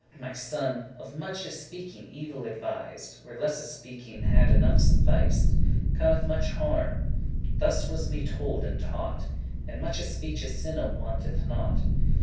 My son, of muche speaking evil advis'd, Where lesse speaking had enough suffic'd, Cometh much harm; thus was me told and taught; In muche speeche sinne wanteth not.